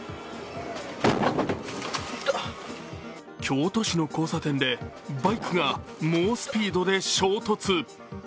京都市の交差点でバイクが猛スピードで衝突。